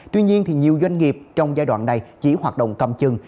tuy nhiên nhiều doanh nghiệp trong giai đoạn này chỉ hoạt động cầm chừng